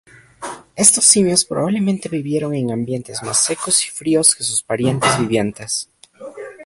Estos simios probablemente vivieron en ambientes más secos y fríos que sus parientes vivientes.